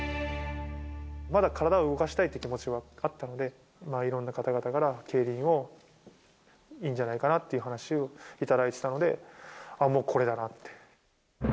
まだ体を動かしたいという気持ちはあったので、いろんな方々から、競輪を、いいんじゃないかなって話を頂いてたので、もうこれだなって。